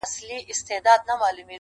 غوټه چي په لاس خلاصيږي غاښ ته څه حاجت دى